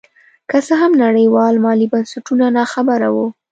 که څه هم نړیوال مالي بنسټونه نا خبره وو.